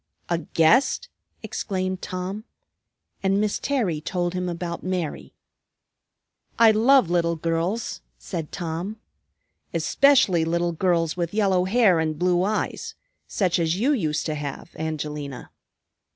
"A guest?" exclaimed Tom. And Miss Terry told him about Mary. "I love little girls," said Tom, "especially little girls with yellow hair and blue eyes, such as you used to have, Angelina."